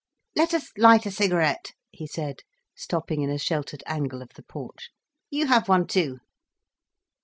"Let us light a cigarette," he said, stopping in a sheltered angle of the porch. "You have one too."